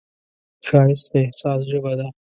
ښایست د احساس ژبه ده